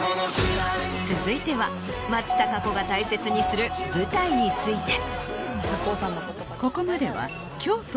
続いては松たか子が大切にする舞台について。